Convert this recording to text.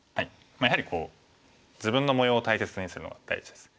やはり自分の模様を大切にするのが大事です。